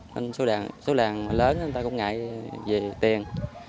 nên số đàn lớn người ta cũng ngại về tiền